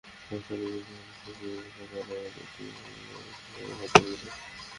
পাকিস্তানের বিপক্ষে one day series জিতেছে তারা, এবার জিতল দুবারের বিশ্বচ্যাম্পিয়ন ভারতের বিপক্ষে।